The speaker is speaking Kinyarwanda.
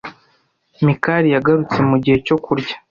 Mikali yagarutse mugihe cyo kurya.